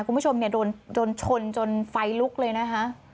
คุณผู้ชมเนี่ยโดนชนจนไฟลุกเลยนะคะ